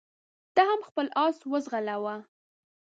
ته هم خپل اس وځغلوه.